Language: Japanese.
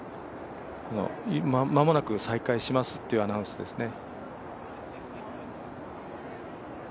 間もなく再開しますというアナウンスですね。